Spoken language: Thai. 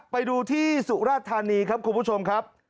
ไปดูที่สุราธานีครับคุณผู้ชมครับ